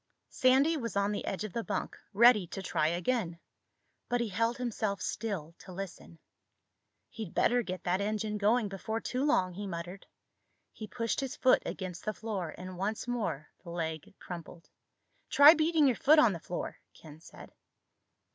Sandy was on the edge of the bunk, ready to try again. But he held himself still to listen. "He'd better get that engine going before too long," he muttered. He pushed his foot against the floor and once more the leg crumpled. "Try beating your foot on the floor," Ken said.